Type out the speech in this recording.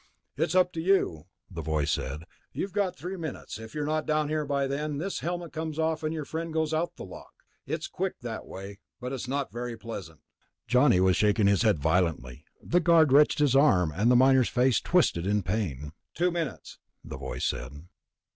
"It's up to you," the voice said. "You've got three minutes. If you're not down here by then, this helmet comes off and your friend goes out the lock. It's quick that way, but it's not very pleasant." Johnny was shaking his head violently; the guard wrenched at his arm, and the miner's face twisted in pain. "Two minutes," the voice said.